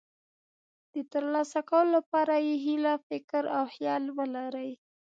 د ترلاسه کولو لپاره یې هیله، فکر او خیال ولرئ.